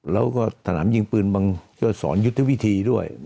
แล้วก็สนามยิงปืนมันก็สอนยุทธวิธีด้วย